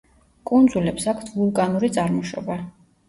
კუნძულებს აქვთ ვულკანური წარმოშობა.